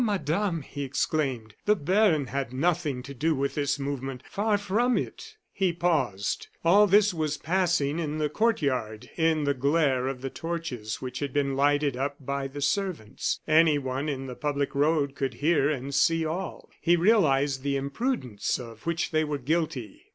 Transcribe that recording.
Madame," he exclaimed, "the baron had nothing to do with this movement; far from it " He paused; all this was passing in the court yard, in the glare of the torches which had been lighted up by the servants. Anyone in the public road could hear and see all. He realized the imprudence of which they were guilty.